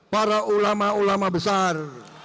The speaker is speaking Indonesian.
para ulama ulama besar